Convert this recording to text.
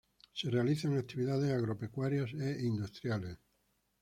Se realizan actividades agropecuarias e industriales.